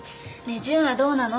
ねえ純はどうなの？